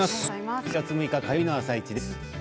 ７月６日火曜日の「あさイチ」です。